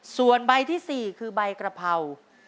ส่วนใบที่๔คือใบกระเพรา